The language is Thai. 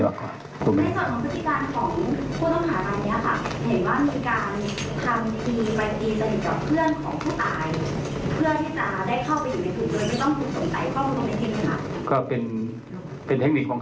ในส่วนของพฤศกาลของผู้ต้องหาบางทีน้องค่ะ